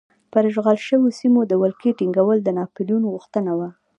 پر اشغال شویو سیمو د ولکې ټینګول د ناپلیون غوښتنه وه.